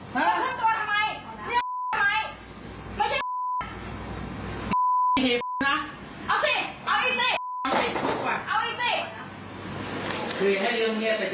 คือถ้าเลี่ยงเลี่ยงไปเจือนเกิด